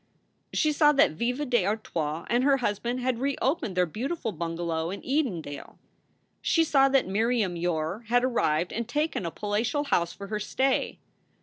She saw that Viva d Artois and her husband had reopened their beautiful bungalow in Edendale. She saw that Miriam Yore had arrived and taken a palatial house for her stay.